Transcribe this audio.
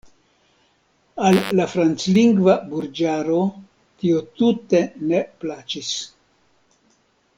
Al la franclingva burĝaro tio tute ne plaĉis.